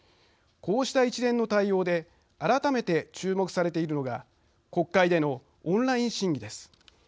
こうした一連の対応で改めて注目されているのが国会でのオンライン審議です。